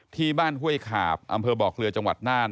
ที่บ้านห้วยขาบอำเภอบอกเรือจังหวัดนาน